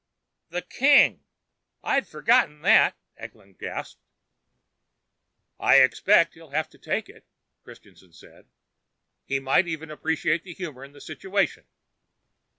"The king! I'd forgotten that!" Eklund gasped. "I expect he'll have to take it," Christianson said. "He might even appreciate the humor in the situation."